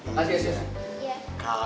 makasih ya sus